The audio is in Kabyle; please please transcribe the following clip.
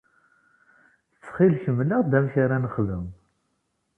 Ttxil-k mel-aɣ-d amek ara nexdem.